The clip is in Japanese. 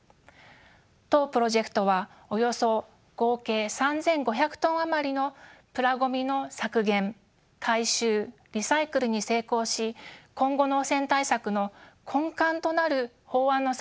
当プロジェクトはおよそ合計３，５００トン余りのプラごみの削減回収リサイクルに成功し今後の汚染対策の根幹となる法案の作成